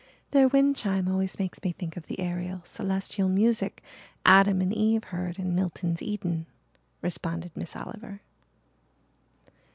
"Their wind chime always makes me think of the aerial, celestial music Adam and Eve heard in Milton's Eden," responded Miss Oliver.